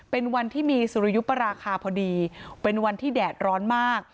เป็นวันที่มีสุริยุปราคาพอดีเป็นวันที่แดดร้อนมาก